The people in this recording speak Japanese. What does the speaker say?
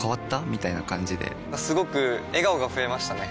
みたいな感じですごく笑顔が増えましたね！